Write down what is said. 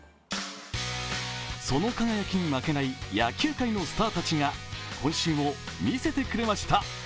その輝きに負けない野球界のスターたちが今週も見せてくれました。